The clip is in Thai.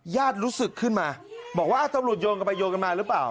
รู้สึกขึ้นมาบอกว่าตำรวจโยงกันไปโยนกันมาหรือเปล่า